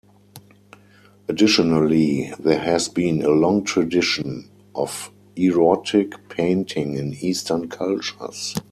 Additionally, there has been a long tradition of erotic painting in Eastern cultures.